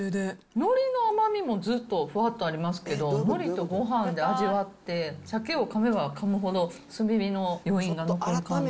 のりの甘みもずっとふわっとありますけど、のりとごはんで味わって、サケをかめばかむほど、炭火の余韻が残る感じ。